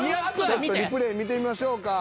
ちょっとリプレイ見てみましょうか。